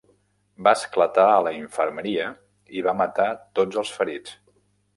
Va esclatar a la infermeria i va matar tots els ferits.